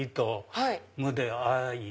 はい。